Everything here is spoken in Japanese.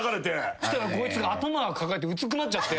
そしたらこいつが頭抱えてうずくまっちゃって。